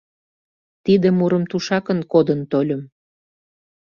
Тиде мурым тушакын кодын тольым.